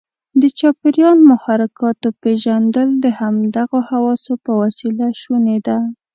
د چاپیریال محرکاتو پېژندل د همدغو حواسو په وسیله شونې ده.